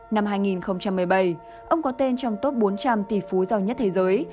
năm hai nghìn một mươi bảy ông có tên trong top bốn trăm linh tỷ phú giàu nhất thế giới